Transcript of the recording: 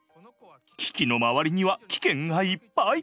キキの周りには危険がいっぱい！